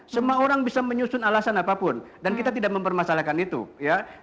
semua orang bisa menyusun alasan apapun dan kita tidak mempermasalahkan itu ya